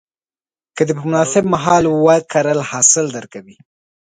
که دې په مناسب مهال وکرل، حاصل درکوي.